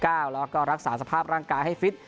แล้วก็รักษาสภาพร่างกายให้ฟิต